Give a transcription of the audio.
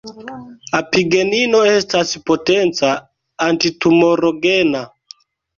Apigenino estas potenca antitumorogena.